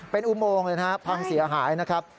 เป็นอุโมงเลยนะครับพังเสียหายนะครับ